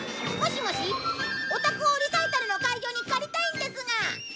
お宅をリサイタルの会場に借りたいんですが。